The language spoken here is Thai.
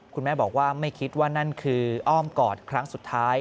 คุณแม่บอกว่าไม่คิดว่านั่นคืออ้อมกอดครั้งสุดท้าย